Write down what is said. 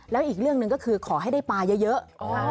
แล้วอีกเรื่องหนึ่งก็คือขอให้ได้ปลาเยอะ